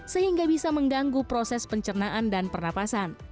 sehingga bisa mengganggu proses pencernaan dan pernapasan